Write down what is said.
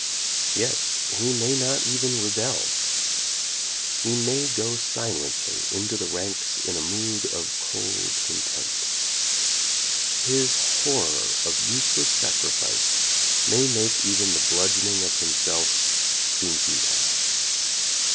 Yet he may not even rebel. He may go silently into the ranks in a mood of cold contempt. His horror of useless sacrifice may make even the bludgeoning of himself seem futile.